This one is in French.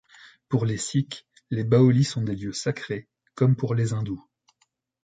Pour les sikhs, les baolis sont des lieux sacrés, comme pour les hindous.